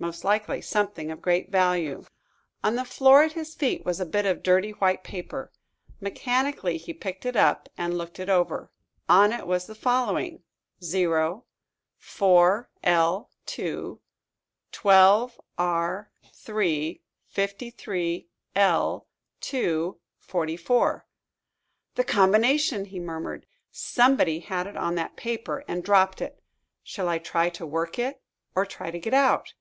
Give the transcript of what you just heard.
Most likely something of great value. On the floor at his feet was a bit of dirty white paper. Mechanically, he picked it up and looked it over. On it was the following: O 4 L 2 12 R 3 53 L 2 44 "The combination!" he murmured. "Somebody had it on that paper and dropped it. Shall I try to work it, or try to get out?"